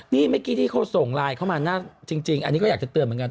นี่เมื่อกี้ที่เขาส่งไลน์เข้ามาจริงอันนี้ก็อยากจะเตือนเหมือนกัน